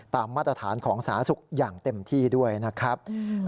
มาตรฐานของสาธารณสุขอย่างเต็มที่ด้วยนะครับ